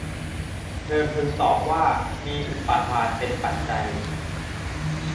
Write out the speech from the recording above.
เธอพึงตอบว่า มีอุปาทานเป็นปัจจัย